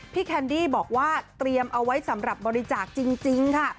แคนดี้บอกว่าเตรียมเอาไว้สำหรับบริจาคจริงค่ะ